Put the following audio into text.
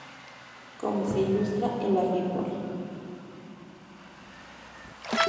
Como se ilustra en la figura.